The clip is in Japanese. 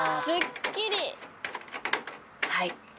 はい。